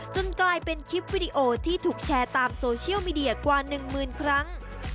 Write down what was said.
กลายเป็นคลิปวิดีโอที่ถูกแชร์ตามโซเชียลมีเดียกว่าหนึ่งหมื่นครั้ง